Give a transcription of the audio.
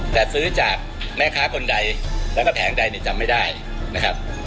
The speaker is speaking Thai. แต่ซื้อจากแม่ค้าคนใดแล้วก็แผงใดเนี่ยจำไม่ได้นะครับ